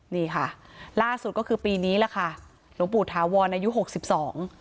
นี่ค่ะล่าสุดก็คือปีนี้แหละค่ะหลวงปู่ถาวรอายุหกสิบสอง